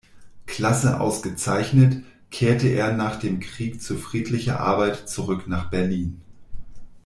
Klasse ausgezeichnet, kehrte er nach dem Krieg zu friedlicher Arbeit zurück nach Berlin.